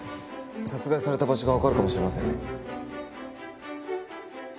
殺害された場所がわかるかもしれませんね。